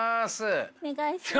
お願いします。